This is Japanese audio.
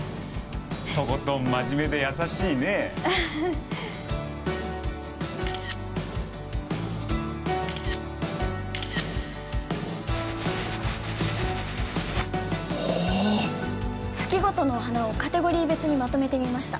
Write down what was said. とことん真面目で優しいねおお月ごとのお花をカテゴリー別にまとめてみました